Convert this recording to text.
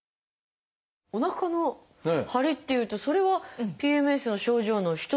おなかの張りっていうとそれはＰＭＳの症状の一つにありますよね。